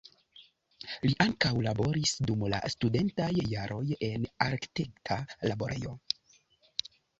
Li ankaŭ laboris dum la studentaj jaroj en arkitekta laborejo.